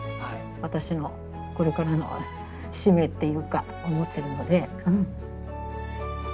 私のこれからの使命っていうか思ってるので。